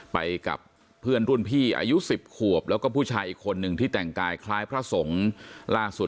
ไปกับเพื่อนรุ่นพี่อายุ๑๐ขวบแล้วก็ผู้ชายอีกคนหนึ่งที่แต่งกายคล้ายพระสงฆ์ล่าสุด